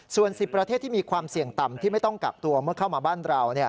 ส่วน๑๐ประเทศที่มีความเสี่ยงต่ำที่ไม่ต้องกักตัวเมื่อเข้ามาบ้านเรา